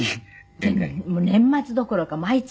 年末どころか毎月？